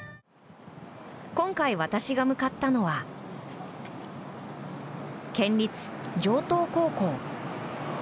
今回、私が向かったのは県立城東高校。